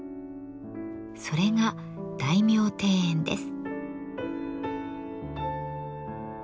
それが「大名庭園」です。